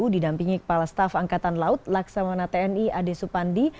didampingi kepala staf angkatan laut laksamana tni ade supandi